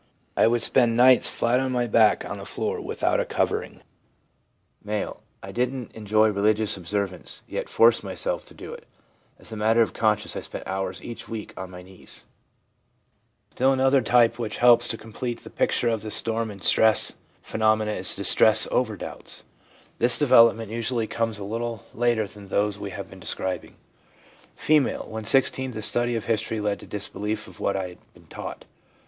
I would spend nights flat on my back on the floor without a covering/ M. ' I didn't enjoy religious observance, yet forced myself to it. As a matter of conscience I spent hours each week on my knees/ Still another type which helps to complete the picture of the storm and stress phenomenon is distress ADOLESCENCE— STORM AND STRESS 219 over doubts. This development usually comes a little later than those we have been describing. F. ' When 16 the study of history led to disbelief of what I had been taught.